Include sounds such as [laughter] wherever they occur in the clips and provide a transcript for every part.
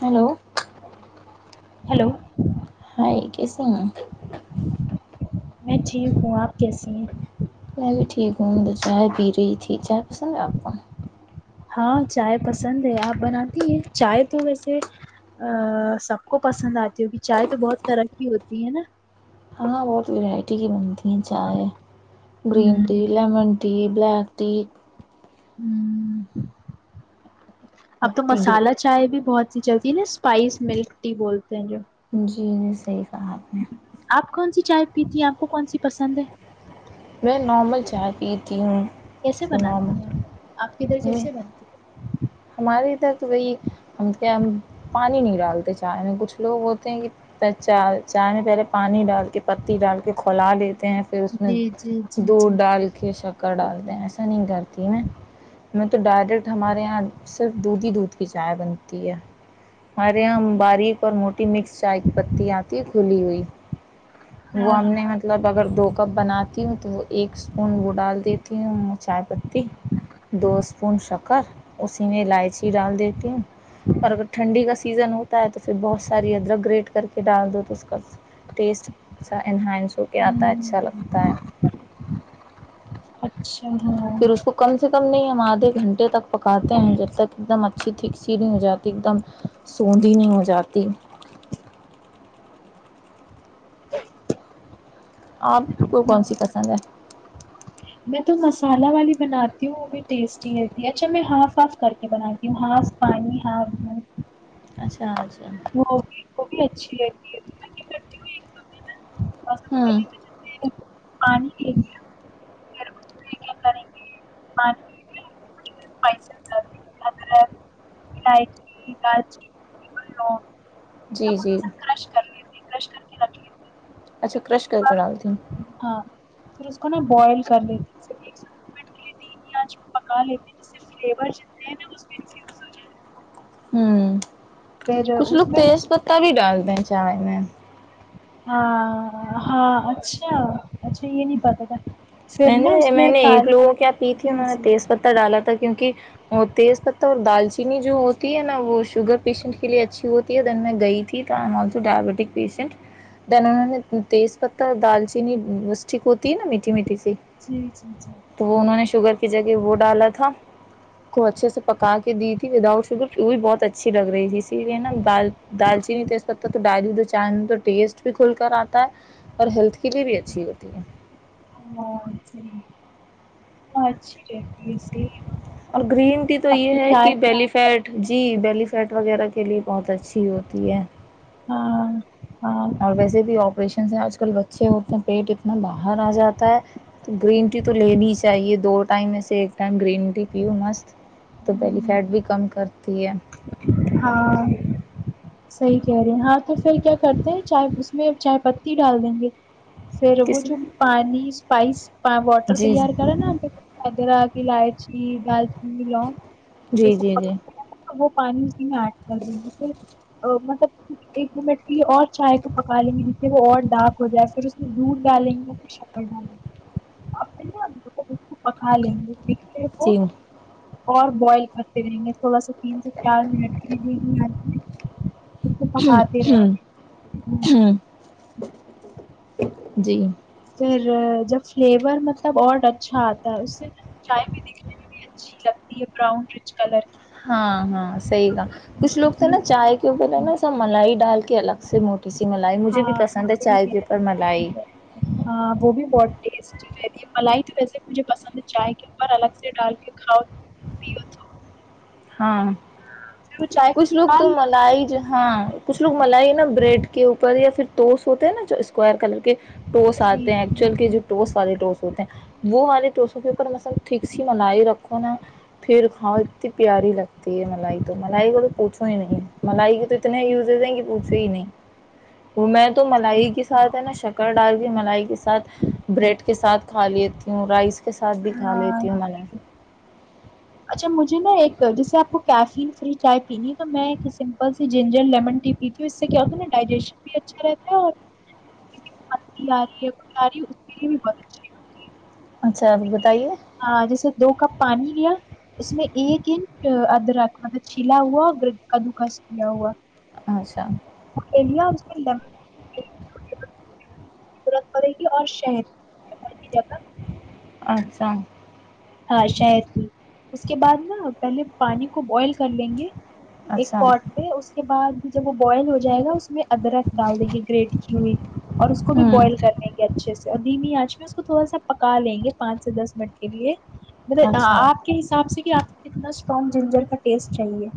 Hello hello hi کیسے ہیں [inaudible] میں ٹھیک ہوں اپ کیسی ہیں [inaudible] میں بھی ٹھیک ہوں مجھے چائے پی رہی تھی چائے پسند ہی آپکو ہاں چائے پسند ہے اپ بناتی ہیں چائے تو ویسے سب کو پسند اتی ہوگی چائے تو بہت ترقی ہوتی ہے نا ہاں وہ تو الائچی کی بنتی ہے چائے گرین ہ ٹی لیمن ٹی بلیک تھی [inaudible] اب تو پتی گر مصالحہ چائے بھی بہت چلزی نے سپائس ملک ٹی بولتے ہیں جو چیز صحیح [unintelligible] آپ کون سی چائے پیتی ہیں اپ کو کون سی پسند ہے میں نارمل [unintelligible] کیسے جو بناتی ہیں نارمل اپ کدھر میں کیسے بنتی ہیں ہمارے ادھر تو چائے میں پانی نہیں ڈالتے ہیں کچھ لوگ ہوتے ہیں جو پانی ڈالتے ہیں پتی ڈال کے کھولا دیتے ہیں پھر ہے اس میں جی جی جی جی دودھ ڈال کے کر ڈالتے ہیں ایسا نہیں کرتی ہوں میں میں تو ڈائریکٹ ہمارے ہاں صرف دودھ ہی دودھ کی چائے بنتی ہے ارے ہم باریک اور موٹی مکس چائے پتی اتی ہے کھلی ہوئی وہ ہاں ہم نے مطلب اگر دو کپ بناتی ہوں تو وہ ایک سپون وہ ڈال دیتی ہوں چائے پتی دو سپون شکر اسی میں الائچی ڈال دیتی ہوں [unintelligible] پیزا ہوتا ہے تو پھر بہت ساری ادرک گریٹ کر کے ڈال دو تو اس کا ٹیسٹ سا انہان [inaudible] [inaudible] پھر اس کو کم سے کم نہیں ہم ادھے گھنٹے تک پکاتے ہیں جب تک ایک دم اچھی تھک سیدھی ہو جاتی ایک دم سوندی نہیں ہو جاتی اپ کو کون سی ہاں پسند ہے میں تو مصالحہ والی بناتی ہوں وہ بھی ٹیسٹی ہوتی ہے اچھا میں ہاف ہاف کر کے بناتی ہوں ہاس پانی اچھا اچھا وہ بھی اچھی لگتی ہے تو میں یہ کرتی ہوں پاس پہلے تو جیسے پانی لے لیا [unintelligible] [unintelligible] ادرک [inaudible] جی سب جی کو کرش کر لیتے ہیں، کرش کر کے رکھ لیتے ہیں۔ اچھا کرش کر کے ڈالتی ہوں ہاں اس کو نا بوائل کر لیتی ہوں پکا لیتے ہیں صرف فلیور جتنے نا اس میں انفیوز ہو ھم جائے کچھ پھر لوگ اس میں تیز پتہ بھی ڈال [unintelligible] ہاں اچھا اچھا یہ نہیں پتا تھا پھر میں نا نے اس میں نے ایک کالی لوگوں کو کیا پی تھی جی انہوں نے جی تیز پتہ کیونکہ بہت تیز پتہ اور دالچینی جو ہوتی ہے نا وہ شوگر پیشنٹ کے لیے اچھی ہوتی ہے دن میں گئی تھی انہوں نے اتنی تیز پتہ دالچینیسٹی کو ہوتی ہے نا میٹھی میٹھی جی جی جی تو انہوں نے شوگر وہ ڈالا تھا کو اچھے سے پکا کے دی تھی وداؤٹ ادھر فیول بہت اچھی لگ رہی تھی اسی لیے نال دال چینی تو اس وقت تو ڈائری دو چاند تو ٹیسٹ بھی کھل کر اتا ہے اور ہیلتھ کے لیے بھی اچھی ہوتی ہے [unintelligible] [unintelligible] تو اب یہ ہے چائے کہ بیلیفیٹ جی بیلی سیٹ وغیرہ کے لیے بہت اچھی ہوتی ہے ا [unintelligible] اور ویسے بھی اپریشنز ہیں اج کل بچے ہوتے ہیں پیٹ اتنا باہر ا جاتا ہے گرین ٹی تو لے نہیں چاہیے دو ٹائم میں سے ایک ٹائم گرین ٹی ہو مست تو پہلی فیٹ بھی کم کرتی ہے ہاں صحیح کہہ رہے ہیں ہاں تو پھر کیا کرتے ہیں چائے اس میں چائے پتی ڈال دیں گے سر وہ کس جو میں پانی سپائس واٹر جی تیار کر [unintelligible] ہاں ہاں [unintelligible] [unintelligible] چائے کو ایک یا دو منٹ تک پکائیں یہاں تک کہ وہ سیاہ ہو جائے، پھر دودھ اور چینی ڈال کر پکائیں۔ [unintelligible] اور دو سے چار منٹ تک ابالتے رہیں۔ گے [unintelligible] [unintelligible] پھر اسے اچھی کریم ملتی ہے اور چائے بھی اچھی ہوتی ہے اور کالر بھی بھورا ہو جاتا ہے۔ کی کچھ لوگ بالکل۔ چائے میں کریم بھی ڈالتے ہیں اوپر موٹی کریم مجھے ہاں صحیح چائے پر بھی کریم کہہ پسند ہے۔ رہے ہیں ہاں وہ بھی بہت ٹیسٹی رہتی ہے ملائی ویسے مجھے چائے پر کریم کھانا پسند ہے۔ ہاہا پھر وہ چائے کو اشوک نکال لو مالی جہاں کچھ لوگ کریم میں روٹی کھاتے ہیں۔ ورنہ یہ ٹاس اپ ہے، ٹھیک ہے؟ ہاں، وہ ٹوسٹ جی آتے ہیں، ان جی پر کچھ کریم لگائیں، پھر یہ بھی مت پوچھو کہ کریمی کریم کتنی پیاری لگتی ہے [unintelligible] جو میرے پاس کریمی دال ٹوسٹ کے ساتھ ہے [unintelligible] کھا ہاں لیتی ہوں ملائی ٹھیک ہے میں نہیں کرتا جیسے اگر آپ کیفین فری چائے پینا چاہتے ہیں تو سادہ زنجیر چائے اس سے ہاضمہ بھی اچھی ہے اچھا بتائیے آج سے میں نے دو کپ پانی لیا جن میں سے ایک جس میں ادرک ملایا گیا اور پھر اس میں اچھا [unintelligible] اور صحت ب اچھا ہاں پانی ابالنے کے بعد میں ایک اچھا کروں گا۔ اس کے بعد جب وہ ابلے اگر اس ادرک کو اچھی طرح ہوں ابال لیا جائے سے سے منٹ تک پکنے دیں اچھا آپ کے مطابق کیا اتنا سٹرانگ جنجر کا ٹیسٹ چاہیے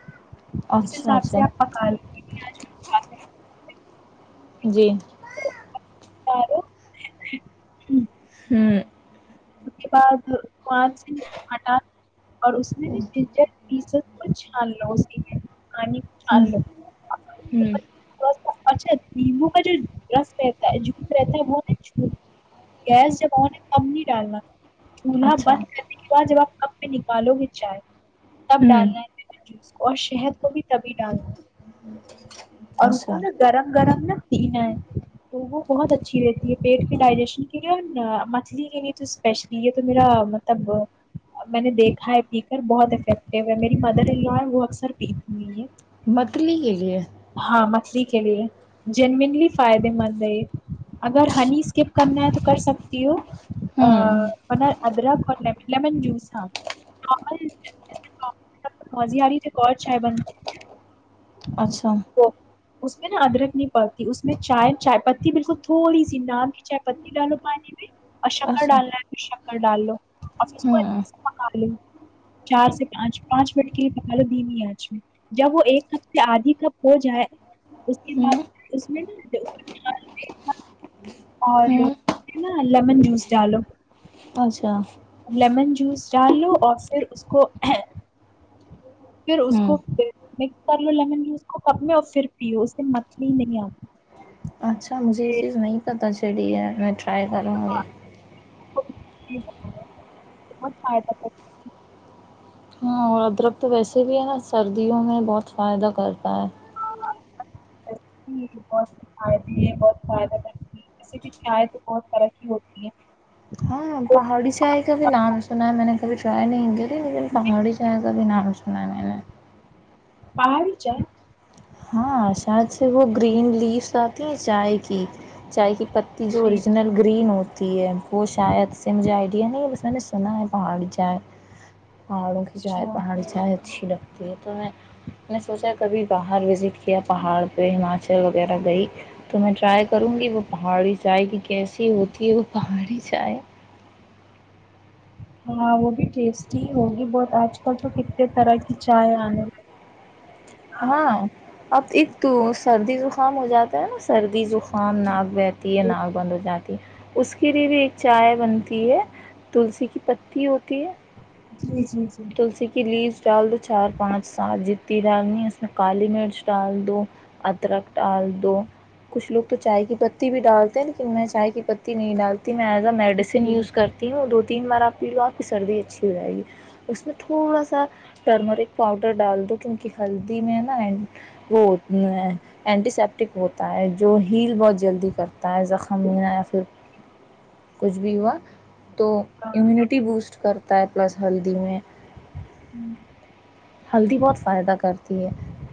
[inaudible] اس اچھا حساب اچھا سے اپ پکا لیں گے جی [inaudible] [inaudible] اس کے بعد قران سے ہٹا [inaudible] [inaudible] [inaudible] ہوں ہوں اچھا جی منہ پہ جو رس ہے وہ گیس جب ان کم نہیں ڈالنا اچھا بند کرنے کے بعد جب اپ اب نکالو گے چائے اب ہوں ڈالنا ہے اور شہد کو بھی تبھی ڈال [inaudible] اور اس کو اچھا نا گرم گرم نہ پینا ہے بہت اچھی دیتی ہے پیٹ کے ڈائریشن کے لیے اور مچھلی کے لیے بھی سپیشلی یہ تو میرا مطلب میں نے دیکھا ہے پیکر بہت افیکٹو ہے میری مدر یو ہے وہ اکثر نہیں ہے پتلی کے لیے ہاں مچھلی کے لیے جنملی فائدہ مند ہے اگر اچھا ہنی سکپ کرنا ہے تو کر سکتی ہوں ا ہوں [unintelligible] ادرک اور لیمن جوس تھا مزی اری اچھا تو اس میں نا ادرک نہیں پاتی اس میں چائے چائے پتی بالکل تھوڑی سی نان کی چائے پتی ڈالو پانی میں اور شکر اچھا ڈالنا ہے ڈال لو [unintelligible] اب اس کو ہوں چار سے پانچ پانچ منٹ کے لیے اج میں جب وہ ایک نفس سے ادھی کا جائے اس کے ہوں بعد اس میں نا ہوں اور ڈالو اچھا لیمن اور پھر اس کو ہے پھر اس ہوں کو لیمن بھی اس کو کب میں اور صرف متلی نہیں ا اچھا مجھے یہ چیز نہیں پتہ ٹرائی کروں گی [inaudible] ہاں اور ادرک تو ویسے ہی ہے نا سردیوں میں بہت فائدہ کرتا ہے [inaudible] پہاڑی چائل کا بھی نام سنا ہے میں نے کبھی ڈرائے نہیں دی لیکن پہاڑی [inaudible] [unintelligible] ہاں شاید سے وہ گرین لیف اتی ہے چائے کی چائے کی جی اوریجنل جی گرین ہوتی ہے وہ شاید اچھا [inaudible] [unintelligible] [unintelligible] پہاڑ سے وغیرہ گئی تو میں ٹرائی کروں گی وہ پہاڑی چائے کیسی ہوتی ہوں [unintelligible] ہاں اس کو سردی میں کام ہو جاتا ہے نا سردی دکان نہ رہتی ہے ناگن ہو جاتی ہے اس کے لیے بھی ایک چائے بنتی ہے جی جی جی تلسی کے لیویز دال دو چار پانچ سات جتنی ڈالنی ہے اس میں کالی مرچ ڈال دو ادرک ڈال دو کچھ لوگ تو چائے کی پتی بھی ڈالتے ہیں لیکن میں چائے کی پتی نہیں ڈالتی میڈیسن جی یوز کرتی ہوں دو تین بار اپ کی سردی اچھی ہو جائے گی اس میں تھوڑا سا ٹرمرک پاؤڈر ڈال دو کیونکہ ہلدی میں ہے نا وہ ہوتی ہیں اینٹی سیپٹک ہوتا ہے جو ہیل بہت جلدی کرتا ہے زخم کچھ بھی ہوا تو ہاں اموینیٹی بوسٹ کرتا ہیں چای پلس ہلدی [inaudible] ہلدی بہت فائدہ کرتی ہے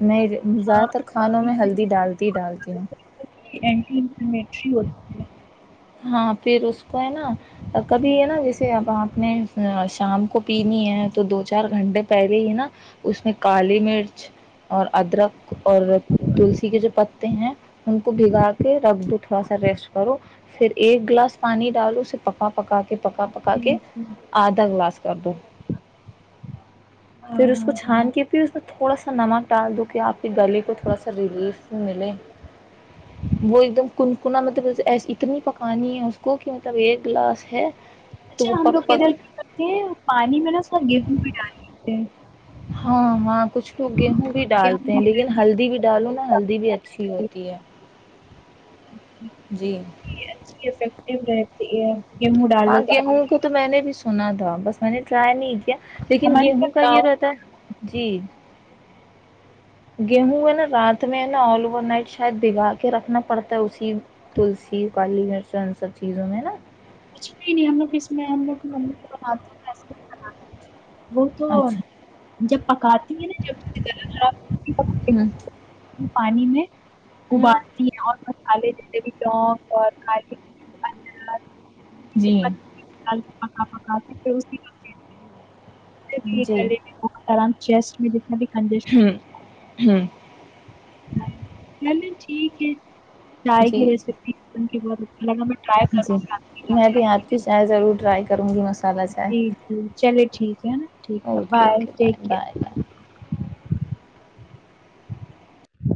میں زدہ ہاں، تر کھانوں میں ہلدی ڈالتی ڈال اینٹی انفلیمیٹری ہوتی ہاں پھر اس کو ہے نا کبھی ہے نا جیسے تو اپ نے شام کو پینی ہے تو دو چار گھنٹے پہلے ہی نا اس میں کالی مرچ اور ادرک اور تلسی کے جو پتے ہیں ہم کو بھگا کے رکھ دو تھوڑا سا ریسٹ کرو پھر ایک گلاس پانی ڈالو تو پکا پکا کے پکا پکا کے جی جی ادھا گلاس کر کے ہاں پھر اس کو ہاں ہاں کھان کیتی اس کو تھوڑا سا نمک ڈال دی کہ اپ کو گلے کو تھوڑا سا ملے وہ ایک دم کونکنا اتنے پکانی ہیں اسکو ہم لوگ پک پک پانی میں نے اس کا گیو بی ڈال ڈیٹا ہے ہاں بھی ڈالتے گیہوں ہیں لیکن ہلدی بھی ڈالو نا ہلدی بھی اچھی ہے جی اچھے ایفیکٹس رہتی ہے [inaudible] ہاں ڈالو تو اگیا ہوں کہ تو میں نے بس معائنہ ٹرائی نہیں کیا لیکن ہمارے گیہوں پاس کا یہ گاؤں رہتا ہے جی گیا ہوا ہے نا رات میں نا [unintelligible] [inaudible] چند سب چیزوں میں نا کچھ بھی نہیں ہم لوگ اس میں ہم لوگ بناتے ہیں تو اچھا جب پکاتی ہے نا جب سے زیادہ ہ پانی میں ہ [unintelligible] الے [unintelligible] [unintelligible] [unintelligible] جی [unintelligible] [unintelligible] کنجسشن [unintelligible] چلیں ٹھیک ہے چائے جی کی جی ریسپی بن کے بہت [unintelligible] [unintelligible] جی گی آپ کی جو میں بھی اپ کے ساتھ ضرور ٹرائی [unintelligible] چلیں ٹھیک ہے نا ٹھیک ہے okay okay bye bye bye [inaudible]